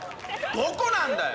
どこなんだよ！